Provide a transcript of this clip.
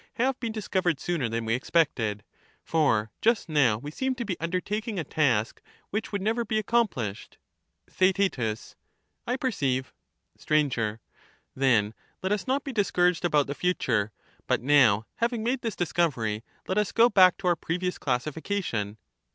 have been discovered sooner than we expected ?— For just st«ai«bb. now we seemed to be undertaking a task which would never thkabtbtu*. be accomplished. Theaet I perceive. Sir. Then let us not be discouraged about the future ; but Recapitu now having made this discovery, let us go back to our ^^<2'^^™ previous classification.